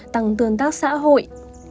tăng tương tác xã hội